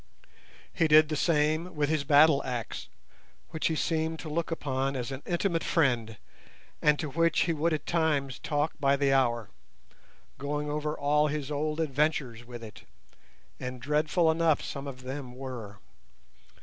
He did the same with his battle axe, which he seemed to look upon as an intimate friend, and to which he would at times talk by the hour, going over all his old adventures with it—and dreadful enough some of them were.